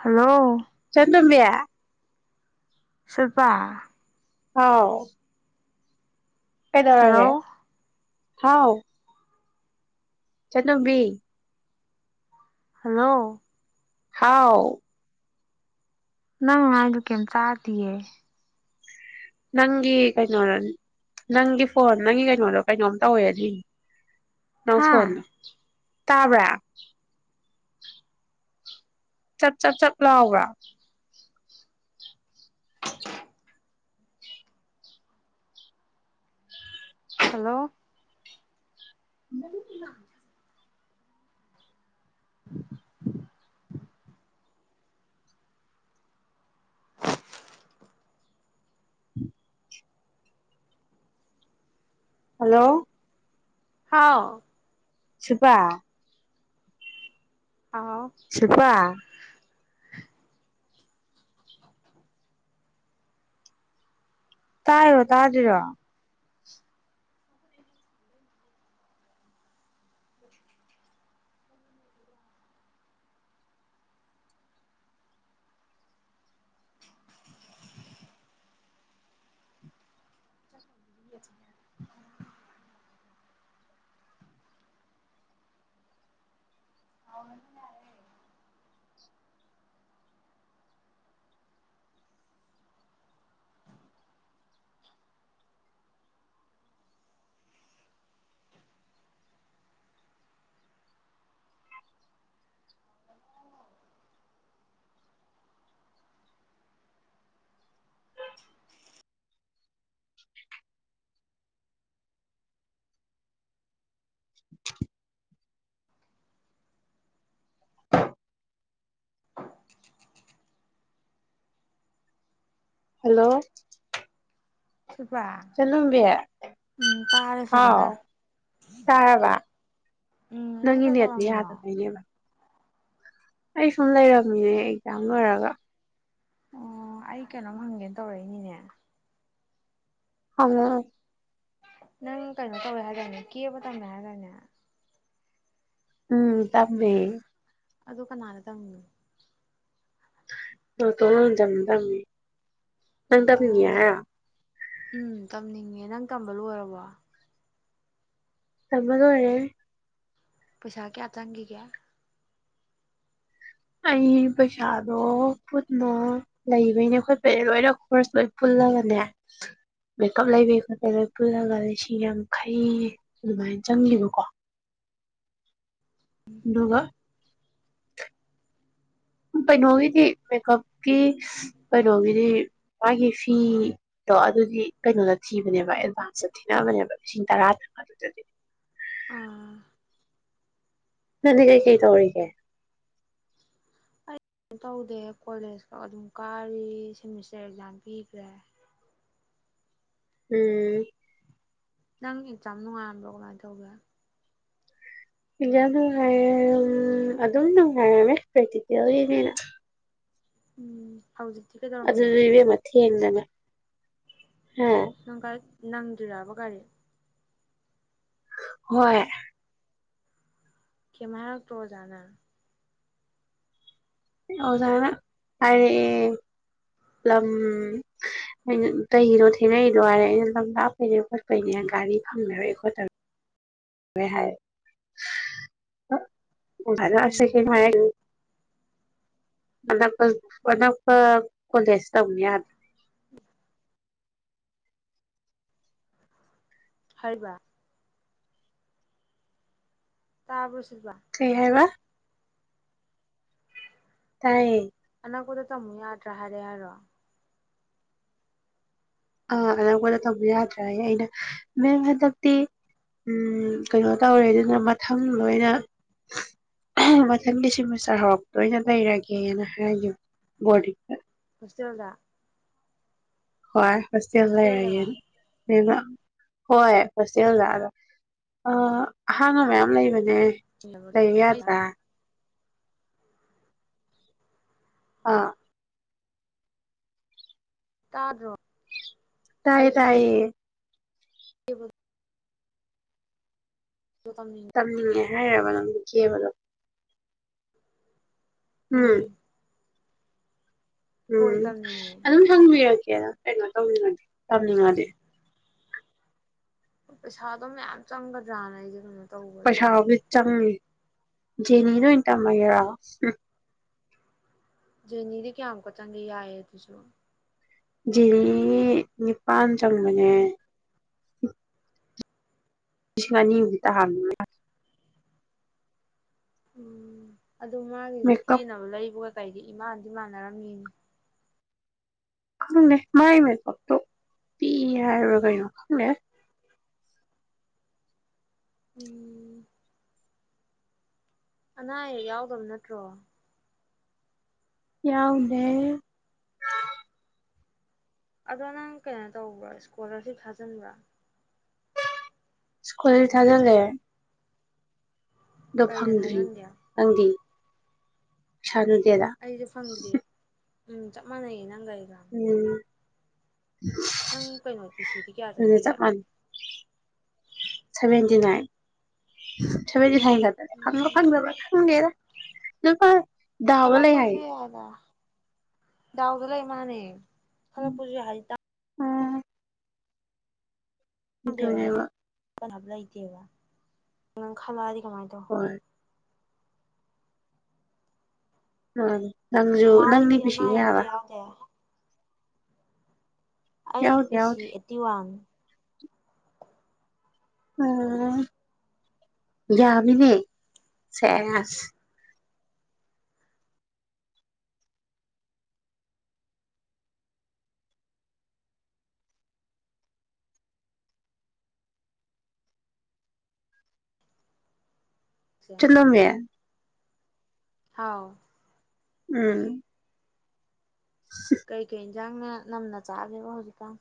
hello ꯆꯟꯗꯨꯝꯕꯤ ꯁꯤꯜꯄꯥ ꯍꯥꯎ ꯀꯩꯗꯧꯔꯒꯦ ꯍꯜꯂꯣ ꯍꯥꯎ ꯏꯆꯟꯇꯣꯝꯕꯤ ꯍꯜꯂꯣ ꯍꯥꯎ ꯅꯪ ꯍꯥꯏꯗꯣ ꯀꯝ ꯇꯗꯦꯌꯦ ꯅꯪꯒꯤ ꯀꯩꯅꯣꯗꯣ ꯅꯪꯒꯤ ꯐꯣꯟ ꯅꯪꯒꯤ ꯀꯩꯅꯣꯗꯣ ꯀꯩꯅꯣꯝ ꯇꯧꯋꯦꯗꯤ ꯅ ꯍꯥ ꯐꯣꯟꯗꯣ ꯇꯥꯕ꯭ꯔꯥ ꯆꯞ ꯆꯞ ꯆꯞ ꯂꯥꯎꯕ꯭ꯔꯥ ꯍꯜꯂꯣ ꯎꯝ ꯎꯝ ꯍꯜꯂꯣ ꯍꯥꯎ ꯁꯤꯜꯄꯥ ꯍꯥꯎ ꯁꯤꯜꯄꯥ ꯇꯥꯏꯔꯣ ꯇꯥꯗꯔ꯭ꯤꯔꯣ [unintelligible] ꯑꯅꯟꯅꯔꯦ [unintelligible] [unintelligible] [unintelligible] [unintelligible] ꯍꯂꯣ ꯁꯤꯜꯄꯥ ꯆꯅꯕ ꯎꯝ ꯇꯥꯔꯦ ꯍꯥꯎ ꯐꯖꯅ ꯆꯥꯔꯕ ꯎꯝ ꯅꯪ ꯅꯪꯒꯤ ꯅꯦꯠꯇ ꯀꯩꯗꯧꯔꯝꯃꯤꯅꯣ ꯌꯥꯗꯅꯅꯦꯕ ꯑꯩ ꯁꯨꯝ ꯂꯩꯔꯝꯃꯤꯅꯦ ꯑꯦꯛꯖꯥꯝ ꯂꯣꯏꯔꯒ ꯑꯣ ꯑꯩ ꯀꯩꯅꯣꯝ ꯍꯪꯒꯦꯅ ꯇꯧꯔꯛꯏꯅꯤꯅꯦ ꯍ ꯅꯪ ꯀꯩꯅꯣ ꯇꯧꯋꯦ ꯍꯥꯏꯇꯥꯅꯦ ꯀꯦꯕ ꯇꯝꯃꯦ ꯍꯥꯏꯔꯅꯦ ꯎꯝ ꯇꯃꯦꯃꯦ ꯑꯗꯨ ꯀꯅꯥꯅ ꯇꯣ ꯑ ꯇꯝꯅꯤ ꯅꯪ ꯑꯣ ꯇꯕꯉꯌꯥ ꯎꯝ ꯇꯝꯅꯤꯡꯉꯦ ꯅꯪ ꯇꯝꯕ ꯂꯣꯏꯔꯕꯣ ꯇꯃꯒ ꯑꯣꯏꯔꯦ ꯄꯩꯁꯥ ꯀꯌꯥ ꯆꯪꯈꯤꯒꯌꯥ ꯑꯩ ꯄꯩꯁꯥꯗꯣ ꯐꯠꯅ ꯂꯩꯕꯩꯅꯦ ꯈꯣꯠꯄꯩꯅꯦ ꯂꯣꯏꯅ ꯈꯣꯔꯁ ꯂꯣꯏ ꯄꯨꯜꯂꯒꯅꯦ ꯃꯦꯀꯞ ꯂꯩꯕꯒꯤ ꯈꯣꯠꯄꯩ ꯂꯣꯏ ꯄꯨꯜꯂꯒ ꯂꯤꯁꯤꯡ ꯌꯥꯡꯈꯩ ꯑꯗꯨꯃꯥꯏꯅ ꯆꯪꯈꯤꯕꯀꯣ ꯑꯗꯨꯒꯒ ꯀꯩꯅꯣꯒꯤꯗꯤ ꯃꯦꯀꯞꯀꯤ ꯀꯩꯅꯣꯒꯤꯗꯤ ꯃꯥꯒꯤ ꯐꯤꯗꯣ ꯑꯗꯨꯗꯤ ꯀꯩꯅꯣꯗ ꯊꯤꯕꯅꯦꯕ ꯑꯦꯗꯚꯥꯟꯁꯇ ꯊꯤꯅꯕꯅꯦꯕ ꯂꯤꯁꯤꯡ ꯇꯔꯥꯇꯪ ꯑꯗꯨꯗꯗꯤ ꯑꯥ ꯅꯗꯤ ꯀꯩ ꯀꯩ ꯇꯧꯔꯤꯒꯦ ꯀ ꯇꯧꯗꯦ ꯀꯣꯂꯦꯖꯀ ꯑꯗꯨꯝ ꯀꯥꯔꯤ ꯁꯦꯃꯤꯁꯇꯔ ꯑꯦꯛꯖꯥꯝ ꯄꯤꯈ꯭ꯔꯦ ꯎꯝ ꯅꯪ ꯆꯝꯅꯅꯨꯡꯉꯒꯇꯧꯕꯔ ꯄꯖ ꯅꯨꯡꯉꯥꯏꯔꯝ ꯑꯗꯨꯝ ꯅꯨꯡꯉꯥꯏꯔꯝꯃꯦ ꯄ꯭ꯔꯦꯀꯤꯤꯇꯤꯔꯤꯅꯦꯅ ꯎꯝ ꯍꯧꯥꯎꯖꯤꯗꯤ ꯀꯦꯗꯧꯔ ꯃꯅ ꯍꯗꯕ ꯅꯪꯒꯥꯥꯏ ꯅꯪꯗꯨꯔꯕꯣ ꯀꯒꯥꯔꯤꯦ ꯍꯣꯏ ꯀꯃꯔꯛꯇꯣꯖꯅ ꯑꯣꯖꯥꯅ ꯍꯥꯏꯔꯛꯑꯦ ꯂꯝ ꯑꯩꯅ ꯇꯗꯣ ꯊꯦꯡꯅꯔꯤꯗꯣ ꯍꯥꯏꯔꯛꯦ ꯑꯩꯅ ꯂꯝ ꯂꯥꯞꯄꯩꯅꯦ ꯈꯣꯠꯄꯩꯅꯦ ꯒꯥꯔꯤ ꯐꯪꯅꯔꯛꯑꯦ ꯈꯣꯠꯇꯔ ꯍꯥꯏꯥꯏ ꯚꯁꯦ ꯎꯝ ꯃꯟꯅꯀ ꯏꯁ ꯇ ꯌꯥ ꯍꯥꯏꯔꯤꯕ ꯇꯥꯕꯨ ꯁꯤ ꯍꯥꯏꯕ ꯇꯌꯦ ꯀꯗ ꯇ ꯃ ꯌꯥꯗ ꯔꯍꯥꯏꯔꯦꯔꯣ ꯑꯥ ꯑꯅꯧꯕꯗ ꯇꯧꯕ ꯌꯥꯗ꯭ꯔꯦ ꯑꯩꯅ ꯃꯦꯝ ꯍꯟꯗꯛꯇꯤ ꯎꯝ ꯀꯩꯅꯣ ꯇꯧꯔꯦ ꯑꯗꯨꯅ ꯃꯊꯪ ꯂꯣꯏꯅ ꯃꯊꯪ ꯂꯤꯁꯤꯡꯃ ꯆꯍꯔꯛ ꯂꯣꯏꯅ ꯂꯩꯔꯒꯦꯅ ꯍꯥꯏꯒꯦ ꯕꯣꯔꯗꯤꯡꯗ ꯈꯁꯔꯕꯗ ꯍꯣꯏ ꯍꯣꯇꯦꯜ ꯍꯣꯁꯇꯦꯜꯗꯔꯣ ꯂꯩ ꯍꯣꯏ ꯍꯣꯁꯇꯦꯜꯗ ꯑꯗ ꯑꯍꯥꯡꯕ ꯃꯌꯥꯝ ꯂꯩꯕꯅꯦ ꯂꯩꯌꯥ ꯑꯩ ꯇ ꯑꯥ ꯇꯥꯗ꯭ꯔꯣ ꯇꯥꯏꯌꯦ ꯇꯥꯏꯌꯦ ꯀ ꯇꯝꯅꯤꯡꯉꯦ ꯇꯝꯅꯤꯡꯉ‌ꯦ ꯍꯩ ꯔꯕ ꯅꯪ ꯁꯨ ꯀꯦꯕꯥ ꯗꯣ ꯎꯝ ꯈꯣꯏ ꯎꯝ ꯇꯝꯅꯤꯡꯉꯦ ꯑꯗꯨꯝ ꯈꯪꯕꯤꯌ ꯀꯩꯅꯣ ꯇꯧꯅꯤꯡꯉꯦ ꯇꯝꯅꯤꯡꯉꯗꯤ ꯄꯩꯁꯥꯗ ꯃꯌꯥꯝ ꯆꯪꯒꯗ꯭ꯔꯥ ꯅꯥ ꯑꯩꯁ‌ꯦ ꯄꯁꯥꯩꯕꯨꯗꯤ ꯆꯪꯅꯤ ꯖꯦꯅꯤꯗ ꯑ‌ꯣꯏ ꯇꯝꯃꯒ‌ꯦꯔ‌ꯣ ꯖ‌ꯦꯅꯤ ꯀꯌꯥꯃꯨꯛꯀ ꯆꯪꯒ‌ꯦ ꯌꯥꯏꯌꯦ ꯑꯗꯨꯁꯨ ꯖ‌ꯦꯅꯤ ꯅꯤꯄꯥꯟ ꯆꯪꯕꯅꯦ ꯂꯤꯁꯤꯡ ꯑꯅꯤ ꯕꯨꯗꯤ ꯇꯥꯍꯟ ꯌꯥꯅꯤ ꯎꯝ ꯑꯗꯨ ꯃꯥꯒꯤꯁꯨ ꯃꯦꯀꯞ ꯀꯦꯅꯕ ꯂꯩꯕꯒ ꯀꯩꯗꯤ ꯏꯃꯥꯟꯗꯤ ꯃꯥꯟꯅꯔꯝꯃꯤꯅꯦ ꯈꯪꯗꯦ ꯃꯥꯏ ꯃꯦꯀꯞꯇꯣ ꯄꯤ ꯍꯥꯏꯕ ꯀꯩꯅꯣ ꯈꯪꯗꯦ ꯎꯝ ꯑꯅꯥ ꯑꯌꯦꯛ ꯌꯥꯎꯗꯕ ꯅꯠꯇ꯭ꯔꯣ ꯌꯥꯎꯗ‌ꯦ ꯑꯗꯣ ꯅꯪ ꯀꯩꯅꯣ ꯇꯧꯕ꯭ꯔꯥ ꯏꯁꯀꯣꯂꯥ꯭ꯔꯁꯤꯞ ꯊꯥꯖꯤꯟꯕ꯭ꯔꯥ ꯁ꯭ꯀꯨꯜ ꯊꯥꯖꯒꯦ ꯗ‌ꯣ ꯀꯩꯗ ꯐꯪꯗ꯭ꯔꯤ ꯊꯥꯖꯤꯟꯒꯦ ꯅꯪꯗꯤ ꯁꯔ ꯑꯩꯗꯤ ꯐꯗꯔꯤꯌꯦꯦ ꯎꯝ ꯆꯞ ꯃꯥꯟꯅꯩꯌꯦꯅ ꯅꯪꯒ ꯑꯩꯒ ꯎꯝ ꯅꯪ ꯀꯩꯅꯣ ꯄꯤꯁꯤꯗꯤ ꯀꯌꯥ ꯑꯗꯨꯅ ꯆꯠꯈꯤꯒꯦ ꯆꯞ ꯃꯥꯟꯅꯩ ꯁꯚꯦꯟꯇꯤ ꯅꯥꯏꯟ ꯊ [unintelligible] ꯈꯪ ꯎꯝ ꯐꯪꯗꯕ ꯈꯜꯂꯛ ꯈꯪꯒꯦꯔ ꯅꯨꯄꯥ ꯈꯜꯂꯛꯄꯁꯨ ꯌꯥꯏꯗ ꯗꯥꯎꯗ ꯂꯩ ꯃꯥꯟꯅꯦ ꯈꯜꯂꯛꯄꯁꯨ ꯌꯥꯏ ꯍꯥꯏꯖꯤꯇ ꯎꯝ ꯑꯗꯨꯅꯦꯕ ꯍꯥꯅꯕ ꯂꯩꯇꯦꯕ ꯅꯪ ꯈꯜꯂꯗꯤ ꯍꯣꯏ ꯎꯝ ꯃꯃꯥ ꯅꯪꯁꯨꯨ ꯅꯪ ꯍꯣꯏꯗꯤ ꯄꯤꯁꯤ ꯑꯅꯥ ꯑꯌꯦꯛ ꯑꯝꯇ ꯀꯌꯥꯅꫭ ꯌꯥꯎꯗꯦ ꯑꯩ ꯌꯥꯎꯗꯦ ꯄꯤ ꯁꯤ ꯌꯥꯎꯗꯦ ꯑꯦꯠꯇꯤ ꯋꯥꯟ ꯑ ꯌꯥꯕꯤꯅꯦ ꯁꯁ ꯆꯠꯂꯣ ꯃꯦ ꯍꯥꯎ ꯎꯝ ꯌꯦꯟꯖꯥꯡꯅ ꯅꯝꯅ ꯆꯥꯒꯦꯕ ꯍꯧꯖꯤꯛꯀꯥꯟ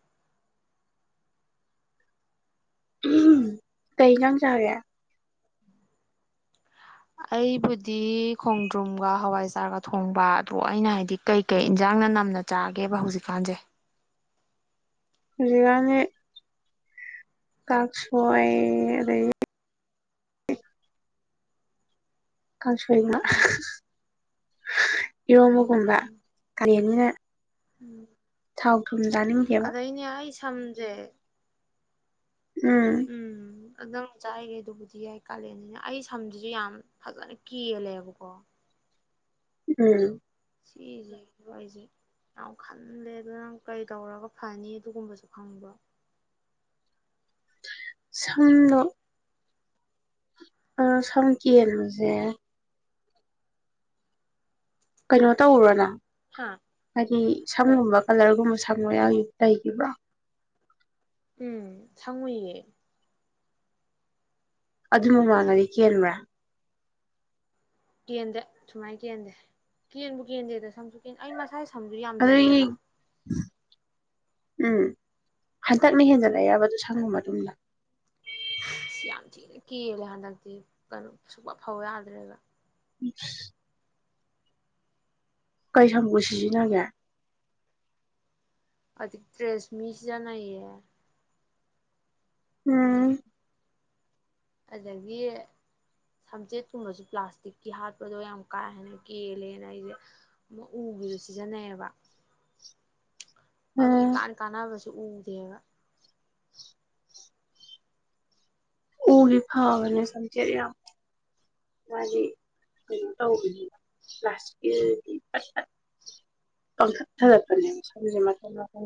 ꯀꯩ ꯏꯟꯁꯥꯡ ꯆꯥꯒꯦ ꯑꯩꯕꯨꯗꯤ ꯈꯣꯡꯗ꯭ꯔꯨꯝꯒ ꯍꯋꯥꯏꯖꯥꯔꯒ ꯊꯣꯡꯕ ꯑꯗꯣ ꯑꯩꯅ ꯍꯥꯏꯕꯗꯤ ꯀꯩꯀꯩ ꯏꯟꯁꯥꯡꯅ ꯅꯝꯅ ꯆꯥꯒꯦꯕ ꯍꯧꯖꯤꯛꯀꯥꯟꯁꯦ ꯍꯧꯖꯤꯛ ꯀꯟꯅꯤ ꯀꯛ ꯁꯣꯏ ꯑꯗꯩ ꯀꯁꫭꯏ ꯉꯛ ꯏꯔꯣꯝꯕꯒꯨꯝꯕ ꯎꯝ ꯀꯂꯦꯟꯅꯤꯅ ꯊꯥꯎ ꯊꯨꯨꯝ ꯆꯥꯅꯤꯡꯗꯦꯕ ꯁꯝꯖꯦ ꯎꯝ ꯑꯗꯥꯡ ꯆꯥꯏꯉꯩ ꯑꯗꯨꯕꯨꯗꯤ ꯌꯥꯏ ꯀꯥꯂꯦꯟꯅꯤꯅ ꯑꯩ ꯁꯝꯁꯤꯁꯨ ꯌꯥꯝ ꯐꯖꯅ ꯀꯦꯜꯂꯦꯕꯀꯣ ꯎꯝ ꯁꯤꯁꯦ ꯑꯩꯁꯦ ꯌꯥꯝ ꯈꯜꯂꯦ ꯑꯗꯨ ꯅꯪ ꯀꯔꯤ ꯇꯧꯔꯒ ꯐꯅꯤ ꯑꯗꯨꯒꯨꯝꯕꯁꯨ ꯈꯪꯕ ꯁꯝꯅ ꯑ ꯁꯝ ꯀꯦꯟꯕꯖꯦ ꯀꯩꯅꯣ ꯇꯧꯔꯨꯕꫭ ꯅꯪ ꯍꯥ ꯍꯥꯏꯗꯤ ꯀꯩ ꯁꯝꯒꯨꯝꯕ ꯀꯂꯔꯒꯨꯝꯕ ꯁꯪ ꯐꯪꯕ ꯌꯥꯒꯤ ꯂꯩꯈꯤꯕ꯭ꯔꫭ ꯎꯝ ꯁꯪꯉꯨꯏꯌꯦ ꯑꯗꯨ ꯃꯃꯥꯡꯗꯗꯤ ꯀꯦꯟꯕ꯭ꯔꯥ ꯀꯦꯟꯗꯦ ꯁꯨꯃꯥꯏꯅ ꯀꯦꯟꯗꯦ ꯀꯦꯟꯕꯨ ꯀꯦꯟꯗꯦꯗ ꯁꯝ ꯁꯨꯡ ꯀꯦꯟ ꯑꯩ ꯃꯁꯥ ꯁꯝꯁꯨ ꯑꯗꯨꯒꯤ ꯌꯥꯝꯖꯗꯦꯕ ꯎꯝ ꯍꯟꯇꯛꯅ ꯍꯦꯟꯖꯤꯜꯂꯦ ꯑꯌꯥꯕꯗꯨ ꯁꯪꯉꯨ ꯃꯇꯨꯡꯗ ꯁꯤ ꯌꯥꯝ ꯊꯤꯅ ꯀꯦꯜꯂꯦ ꯍꯟꯗꯛꯇꯤ ꯀꯩꯅꯣ ꯁꯨꯄ ꯐꯧ ꯌꯥꯗ꯭ꯔꯦꯕ ꯎꯝ ꯀꯩ ꯁꯒ ꯁꯤꯖꯤꯅꯒꯦ ꯑꯗꯤ ꯇ꯭ꯔꯦꯁꯃꯤꯁꯤꯗꯅꯌꯦ ꯎꯝ ꯑꯗꯒꯤ ꯁꯝꯆꯦꯠꯀꯨꯝꯕꯁꯨ ꯄ꯭ꯂꯥꯁꯇꯤꯛꯀꯤ ꯍꯥꯠꯄꯗꯣ ꯌꯥꯝ ꯀꯥ ꯍꯦꯟꯅ ꯀꯦꯜꯂꯦ ꯑꯩꯁꯦ ꯎꯒꯤꯁꯨ ꯁꯤꯖꯤꯟꯅꯩꯌꯦꯕ ꯑꯗꯨ ꯎꯝ ꯀꯥꯥꯟ ꯀꯥꯟꯅꯥꯕꯁ ꯑꯗꯨ ꯎꯗꯕ ꯎꯂꯤ ꯐꯥꯕꯅꯦ ꯁꯝꯆꯦꯠ ꯌꯥꯝ ꯃꯥꯗꯤ ꯀꯩꯅꯣ ꯇꯧꯕꯅꯤ ꯄꯥꯁꯇꯤꯛꯀꯤꯗꯤ ꯀꯪꯊꯠꯊꯔꯛꯄꯅꯦ ꯁꯝꯁꯦ ꯃꯊ ꯃꯊ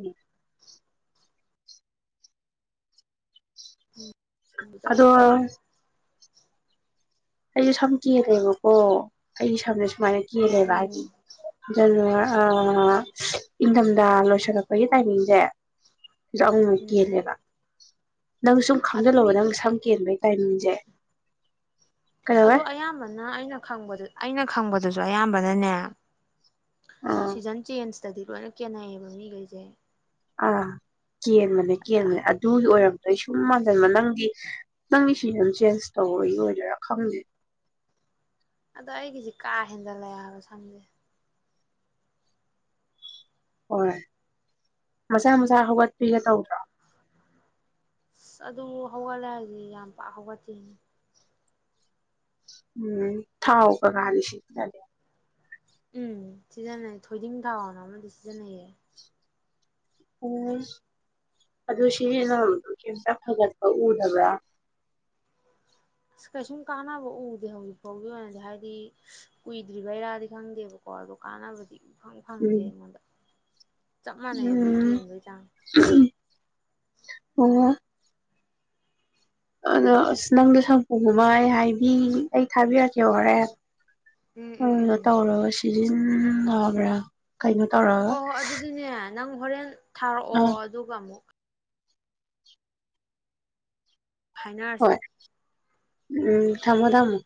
ꯎꯝ ꯑꯗꯣ ꯇꯧꯔ ꯑꯩ ꯏꯁꯝꯅ ꯁꯨꯃꯥꯏꯅ ꯂꯩꯦꯕ ꯎꯝ ꯑ ꯏꯪꯊꯝꯊꯥ ꯂꯣꯏꯁꯤꯜꯂꯛꯄꯒꯤ ꯇꯥꯏꯃꯤꯡꯁꯦ ꯔꯪ ꯀ ꯎꯝ ꯂꯩꯕ [unintelligible] ꯅꯪ ꯁꯨꯝ ꯑꯗꯣ ꯈꯪꯖꯤꯜꯂꯣꯕ ꯃꯤ ꯅꯪ ꯁꯝ ꯀꯦꯟꯕꯒꯤ ꯇꯥꯏꯃꯤꯡ ꯖꯦ ꯑꯗꯣ ꯑꯌꯥꯝꯕꯅ ꯑꯩꯅ ꯈꯪꯕꯗ ꯑꯩꯅ ꯈꯪꯕꯗꯨꯁꯨ ꯑꯌꯥꯝꯕꯅꯅꯦ ꯑꯥ ꯁꯤꯖꯟ ꯆꯦꯟꯖ ꯏꯁꯇꯗꯤ ꯂꯣꯏꯅ ꯀꯦꯅꯩꯌꯦꯕ ꯃꯤꯈꯩꯁꯦ ꯑꯥ ꯀꯦꯟꯕꯅꯦ ꯑꯗ ꯀꯦꯟꯕꯅꯦ ꯑꯗꯨꯒꯤ ꯑꯣꯏꯔꯝꯕꯗꯣ ꯑꯩ ꯁꯨꯝ ꯅꯪꯗꯤ ꯅꯪꯒꯤ ꯁꯤꯖꯟ ꯆꯦꯟꯖ ꯇꯧꯕꯒꯤ ꯑꯣꯏꯗꯣꯏꯔꯥ ꯈꯪꯗꯦ ꯑꯗꯣ ꯑꯩꯒꯤꯁꯤꯦ ꯀꯥ ꯍꯦꯟꯗꯂꯕ ꯁꯝꯁꯦ ꯍꯣꯏ ꯃꯁꯥ ꯃꯁꯥ ꯍꯧꯒꯠꯄꯤꯒꯦ ꯇꯧꯗ꯭ꯔꯣ ꯑꯗꯨ ꯍꯧꯒꯠꯂ ꯍꯥꯏꯗꯤ ꯌꯥꯝ ꯄ ꯍꯧꯒꯠꯇꯦꯅꯦ ꯎꯝ ꯊꯥꯥꯎꯒ ꯀꯗꯁꯤꯅꯗ ꯎꯝ ꯁꯤꯖꯟꯅꯩ ꯊꯣꯏꯗꯤꯡ ꯊꯥꯎꯅ ꯑꯃꯗꯤ ꯁꯤꯖꯤꯟꯅꯩꯌꯦ ꯑꯣ ꯑꯗꯨ ꯁꯤꯅꯥꯗꯨꯣ ꯀꯩꯝꯇ ꯐꯒꯠꯄ ꯎꯗꯕ꯭ꯔꯥ ꯑꯁ ꯀꯩꯁꯨꯝ ꯀꯥꯟꯅꯕ ꯎꯗꯦ ꯍꯧꯖꯤꯛ ꯐꯥꯎꯒꯤ ꯑꯣꯏꯅꯗꯤ ꯍꯥꯏꯗꯤ ꯀꯨꯏꯗ꯭ꯔꯤꯕꯩꯔꯥꯗꯤ ꯈꯪꯗꯦꯕꯀꯣ ꯑꯗꯣ ꯀꯥꯟꯅꯕꯗꯤ ꯐꯪ ꯐꯪꯗꯦ ꯎꯝ ꯑꯩꯉꯣꯟꯗ ꯆꯞ ꯃꯥꯟꯅꯩ ꯑꯗꯨꯝ ꯎꯝ ꯀꯦꯟꯕꯩ ꯆꯥꯡ [unintelligible] ꯑꯗꯣ ꯑꯁ ꯅꯪꯗꯣ ꯁꯪꯄꯨꯒꯨꯝꯕ ꯑꯩ ꯍꯥꯏꯕꯤ ꯑꯩ ꯊꯥꯕꯤꯔꯛꯀꯦ ꯍꯣꯔꯦꯟ ꯎꯝ ꯎꯝ ꯎꯝ [unintelligible] ꯐꯤꯂꯤꯝ ꯅꯕ꯭ꯔꯥ ꯀꯩꯅꯣ ꯇꯧꯔꯒ ꯍꯣꯏ [unintelligible] ꯍꯣꯏ ꯑꯗꯨꯗꯤꯅꯦ ꯅꯪ ꯍꯣꯔꯦꯟ ꯑ ꯊꯥꯔꯛꯑꯣ ꯑꯗꯨꯒ ꯑꯃꯨꯛ ꯍꯥꯏꯅꯔꯁꯦ ꯍꯣꯏ ꯎꯝ ꯊꯝꯃꯣ ꯊꯝꯃꯣ